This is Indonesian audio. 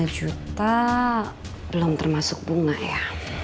tujuh puluh lima juta belum termasuk bunga ya